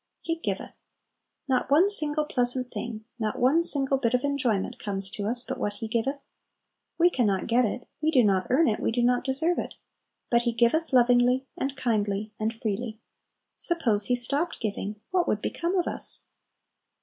"He giveth." Not one single pleasant thing, not one single bit of enjoyment comes to us but what He giveth. We can not get it, we do not earn it, we do not deserve it; but He giveth lovingly, and kindly, and freely. Suppose He stopped giving, what would become of us?